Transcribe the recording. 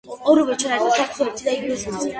ორივე ჩანაწერს აქვს ერთი და იგივე სიგრძე.